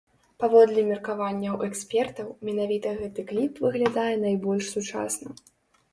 Паводле меркаванняў экспертаў, менавіта гэты кліп выглядае найбольш сучасна.